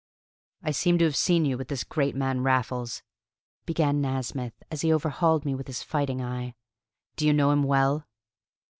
"I seem to have seen you with this great man Raffles," began Nasmyth, as he overhauled me with his fighting eye. "Do you know him well?"